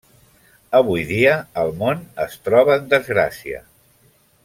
Avui dia el món es troba en desgràcia.